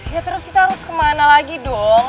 ya terus kita harus kemana lagi dong